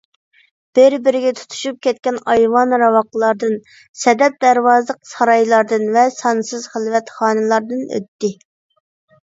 بىر - بىرىگە تۇتىشىپ كەتكەن ئايۋان، راۋاقلاردىن، سەدەب دەرۋازىلىق سارايلاردىن ۋە سانسىز خىلۋەت خانىلاردىن ئۆتتى.